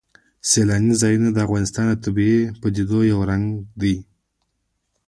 سیلانی ځایونه د افغانستان د طبیعي پدیدو یو رنګ دی.